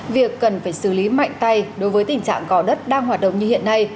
việc cần phải xử lý mạnh tay đối với tình trạng gò đất đang hoạt động như hiện nay